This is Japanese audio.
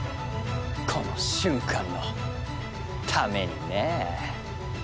この瞬間のためにねえ。